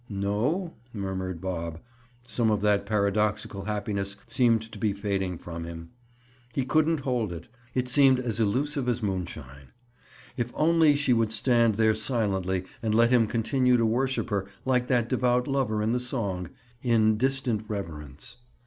"No?" murmured Bob. Some of that paradoxical happiness seemed to be fading from him. He couldn't hold it; it seemed as elusive as moonshine. If only she would stand there silently and let him continue to worship her, like that devout lover in the song—in "distant reverence."